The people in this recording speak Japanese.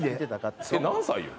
何歳よ？